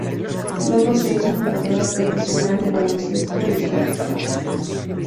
Luego se hizo jugadora profesional de baloncesto y softball.